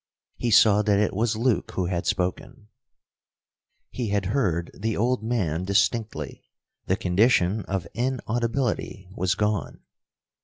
He saw that it was Luke who had spoken. He had heard the old man distinctly. The condition of inaudibility was gone.